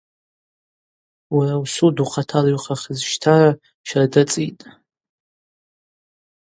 Уара усуд ухъатала йухахизщтара щарда цӏитӏ.